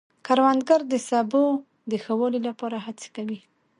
کروندګر د سبو د ښه والي لپاره هڅې کوي